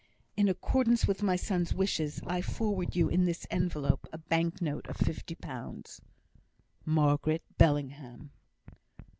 In accordance with my son's wishes, I forward you in this envelope a bank note of fifty pounds. MARGARET BELLINGHAM.